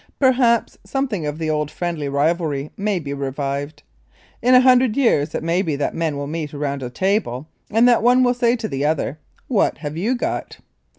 Perhaps, something of the old friendly rivalry may be revived. In a hundred years it may be that men will meet around a table and that one will say to the other, "What have you got?"